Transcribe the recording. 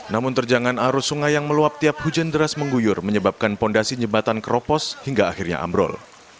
namun terjangan arus sungai yang meluap tiap hujan deras mengguyur menyebabkan fondasi jembatan keropos hingga akhirnya ambrol